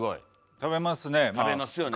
食べますね。